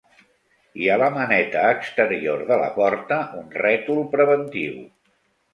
I a la maneta exterior de la porta, un rètol preventiu.